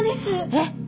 えっ！